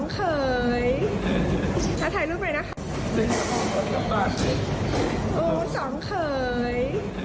คุณสองเขย